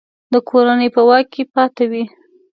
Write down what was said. د کورنۍ په واک کې پاته وي.